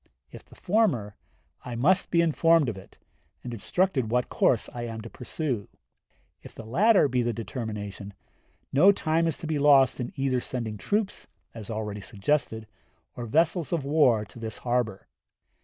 If the former, I must be informed of it, and instructed what course I am to pursue. If the latter be the determination, no time is to be lost in either sending troops, as already suggested, or vessels of war to this harbor.